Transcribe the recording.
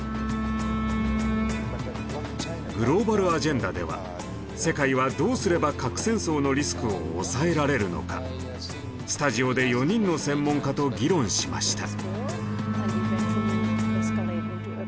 「グローバルアジェンダ」では世界はどうすれば核戦争のリスクを抑えられるのかスタジオで４人の専門家と議論しました。